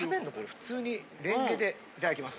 普通にレンゲでいただきます。